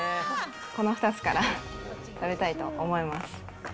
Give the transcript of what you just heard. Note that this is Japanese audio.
この２つから食べたいと思います。